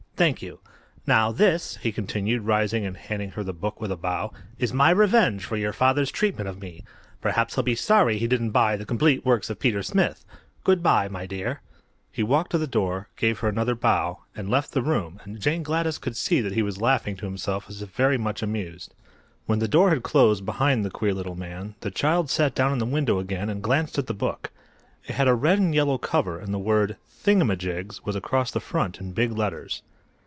"Thank you. Now this," he continued, rising and handing her the book with a bow, "is my revenge for your father's treatment of me. Perhaps he'll be sorry he didn't buy the 'Complete Works of Peter Smith.' Good by, my dear." He walked to the door, gave her another bow, and left the room, and Jane Gladys could see that he was laughing to himself as if very much amused. When the door had closed behind the queer little man the child sat down in the window again and glanced at the book. It had a red and yellow cover and the word "Thingamajigs" was across the front in big letters.